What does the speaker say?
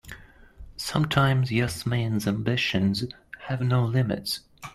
Sometimes Yasmin's ambitions have no limits.